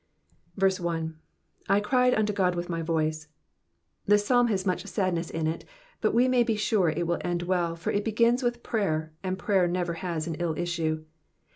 1. ^^ I cried unto Ood with my wice.^^ This Psalm has much sadDess in it, but we may be sure it will end well, for it begins with prayer, and prayer never has an ill issue.